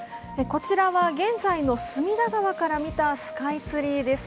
こちらは現在の隅田川から見たスカイツリーです。